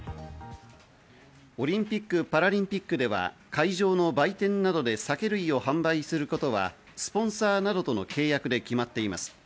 オリンピック・パラリンピックでは会場の売店などで酒類を販売することはスポンサー等との契約で決まっています。